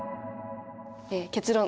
結論。